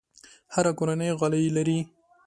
هره کورنۍ غالۍ لري.